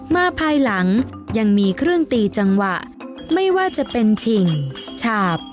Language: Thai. ภายหลังยังมีเครื่องตีจังหวะไม่ว่าจะเป็นฉิ่งฉาบ